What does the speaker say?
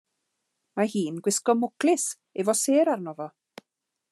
Mae hi'n gwisgo mwclis efo sêr arno fo.